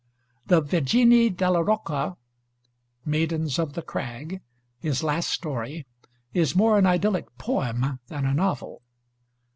The 'Vergini della Rocca' (Maidens of the Crag), his last story, is more an idyllic poem than a novel.